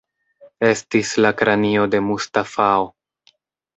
Estis la kranio de Mustafao.